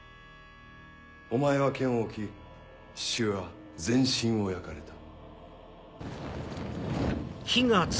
お前は剣を置き志々雄は全身を焼かれた。